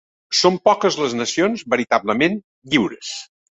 Són poques les nacions veritablement lliures.